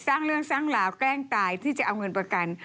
สร้างเรื่องสร้างราวแกล้งตายที่จะเอาเงินประกัน